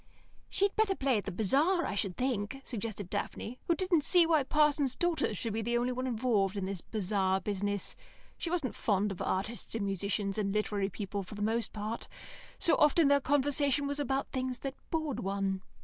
"She'd better play at the bazaar, I should think," suggested Daphne, who didn't see why parsons' daughters should be the only ones involved in this bazaar business. She wasn't very fond of artists and musicians and literary people, for the most part; so often their conversation was about things that bored one.